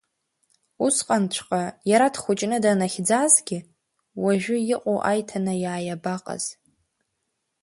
Усҟанҵәҟьа, иара дхәыҷны данахьӡазгьы, уажәы иҟоу аиҭанеиааи абаҟаз.